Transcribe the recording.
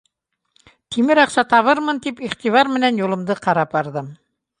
Тимер аҡса табырмын тип иғтибар менән юлымды ҡарап барҙым.